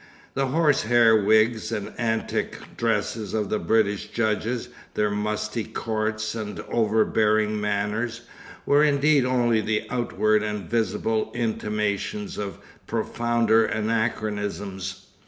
The horse hair wigs and antic dresses of the British judges, their musty courts and overbearing manners, were indeed only the outward and visible intimations of profounder anachronisms.